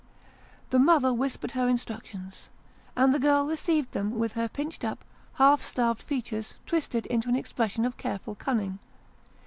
The mother whispered her in structions, and the girl received them with her pinched up half starved features twisted into an expression of careful cunning.